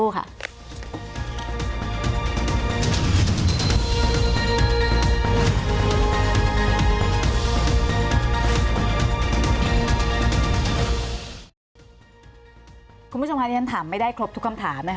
คุณผู้ชมคะทีนี้ถามไม่ได้ครบทุกคำถาม